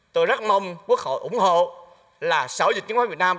tôi rất mong quốc hội ủng hộ là sở dịch chứng khoán việt nam